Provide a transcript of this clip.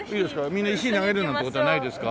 みんな石投げるなんて事はないですか？